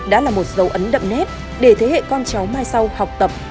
đã là một dấu ấn đậm nét để thế hệ con cháu mai sau học tập